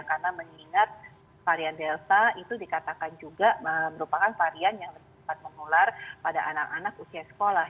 karena mengingat varian delta itu dikatakan juga merupakan varian yang dapat mengular pada anak anak usia sekolah